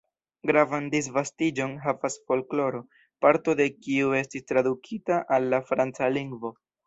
Gravan disvastiĝon havas folkloro, parto de kiu estis tradukita al la franca lingvo.